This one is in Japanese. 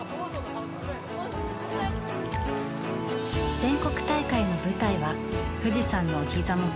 全国大会の舞台は富士山のお膝元